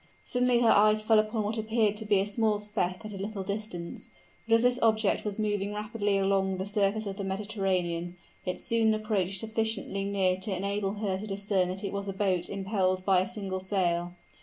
Suddenly her eyes fell upon what appeared to be a small speck at a little distance; but as this object was moving rapidly along on the surface of the Mediterranean, it soon approached sufficiently near to enable her to discern that it was a boat impelled by a single sail.